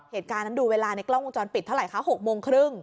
เหตุการณ์นั้นดูเวลาในกล้องวงจรปิดเท่าไหร่คะ๖โมงครึ่ง